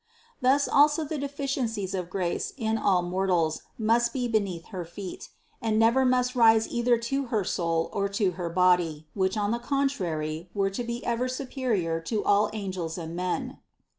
Thus also the deficiencies of grace in all mortals must be be neath her feet, and never must rise either to her soul or to her body, which on the contrary were to be ever su perior to all angels and men.